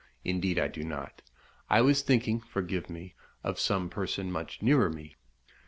"Indeed I do not; I was thinking forgive me of some person much nearer me."